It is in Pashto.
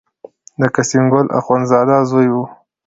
د قسیم ګل اخوندزاده زوی و.